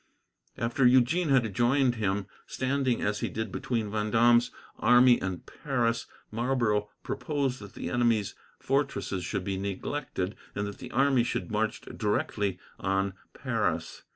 After Eugene had joined him, standing as he did between Vendome's army and Paris, Marlborough proposed that the enemy's fortresses should be neglected, and that the army should march directly on Paris.